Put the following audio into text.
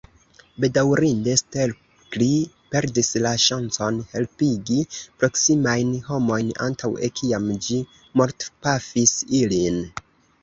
Bedaŭrinde, Stelkri perdis la ŝancon helpigi proksimajn homojn antaŭe kiam ĝi mortpafis ilin.